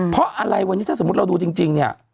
เพราะอะไรวันนี้ถ้าสมมุติเราดูจริงเนี่ย